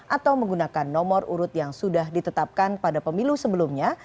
atau menggunakan nomor urut yang sudah ditetapkan pada pemilu sebelumnya